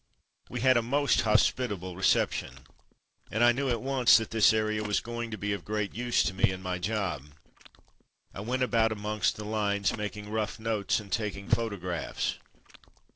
We had a most hospitable reception, and I knew at once that this area was going to be of great use to me in my job. I went about amongst the lines, making rough notes and taking photographs.